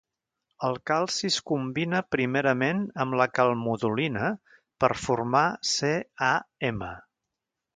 El calci es combina primerament amb la calmodulina per formar CaM.